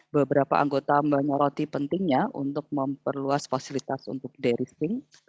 beberapa anggota menyoroti pentingnya untuk memperluas fasilitas untuk deristing